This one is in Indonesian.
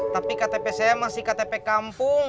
tapi ktp saya masih ktp kampung